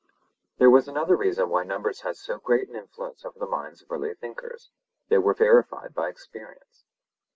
There was another reason why numbers had so great an influence over the minds of early thinkers—they were verified by experience.